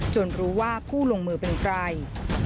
รู้ว่าผู้ลงมือเป็นใคร